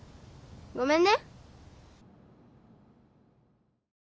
ごめんね